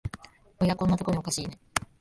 おや、こんなとこにおかしいね